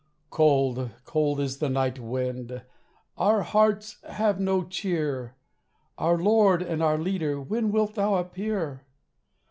"Cold, cold is the night wind, Our hearts have no cheer, Our Lord and our Leader, When wilt thou appear?"